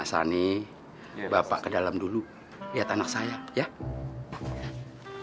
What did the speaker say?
eh ini ini kenalan sama kakak kakak